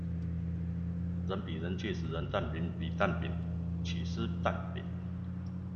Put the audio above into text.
人比人氣死人，蛋餅比蛋餅，起司蛋餅